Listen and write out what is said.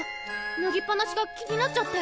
ぬぎっぱなしが気になっちゃって。